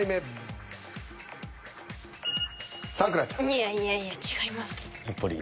いやいやいや違いますって。